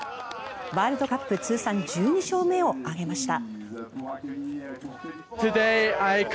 ワールドカップ通算１２勝目を挙げました。